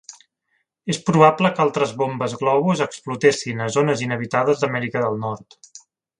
És probable que altres bombes globus explotessin a zones inhabitades d'Amèrica del Nord.